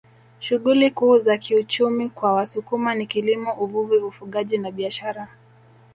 Shughuli kuu za kiuchumi kwa Wasukuma ni kilimo uvuvi ufugaji na biashara